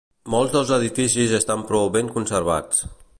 Molts dels edificis estan prou ben conservats.